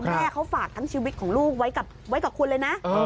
แม่เขาฝากทั้งชีวิตของลูกไว้กับคุณเลยนะ